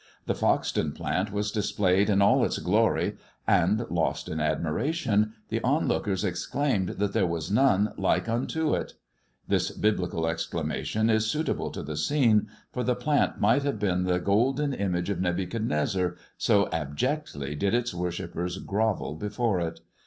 The Foxton plant was displayed in all its glory, and, lost in admiration, the onlookers exclaimed that there was none like unto it. This biblical exclamation is suitable to the scene, for the plant might have been the golden image of Nebuchadnezzar, so abjectly did its worshippers grovel before it.